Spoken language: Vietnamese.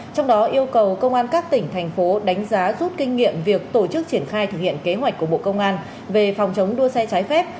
trong đó yêu cầu công an các tỉnh thành phố đánh giá rút kinh nghiệm việc tổ chức triển khai thực hiện kế hoạch của bộ công an về phòng chống đua xe trái phép